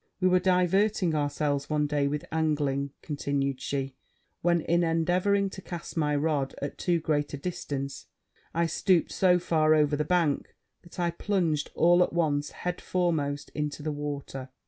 'We were diverting ourselves one day with angling,' continued she; 'when, in endeavouring to cast my rod at too great a distance, I stooped so far over the bank, that I plunged all at once, head foremost, into the water.